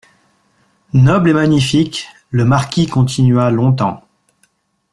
Noble et magnifique, le marquis continua longtemps.